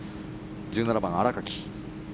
１７番、新垣。